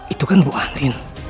itu kan bu andin